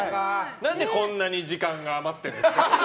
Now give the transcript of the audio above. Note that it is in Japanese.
何でこんなに時間が余っているんですか。